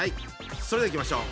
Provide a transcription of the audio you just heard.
それではいきましょう！